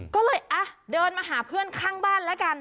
ก็เลยเดินมาหาเพื่อนข้างบ้านแล้วกัน